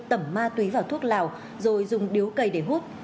tẩm ma túy vào thuốc lào rồi dùng điếu cây để hút